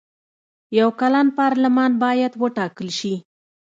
یو کلن پارلمان باید وټاکل شي.